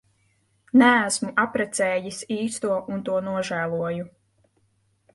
Neesmu apprecējis īsto un to nožēloju.